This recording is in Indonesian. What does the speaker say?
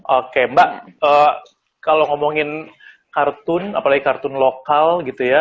oke mbak kalau ngomongin kartun apalagi kartun lokal gitu ya